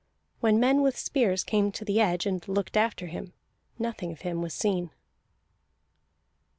When men with spears came to the edge and looked after him, nothing of him was seen.